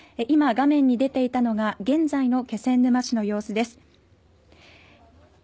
今画面に出ていたのが現在の気仙沼市の様子です。